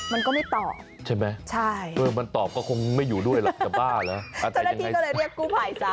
มันก็ไม่ตอบใช่มั้ยใช่มันตอบก็คงไม่อยู่ด้วยล่ะเจ้าหน้าที่ก็เลยเรียกกู้ภัยซะ